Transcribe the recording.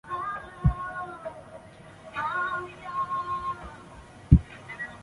凤凰是日本将棋的棋子之一。